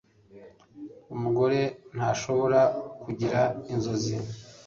Umugore ntashobora kugira inzozi